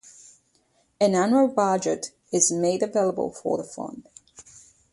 An annual budget is made available for the Fund.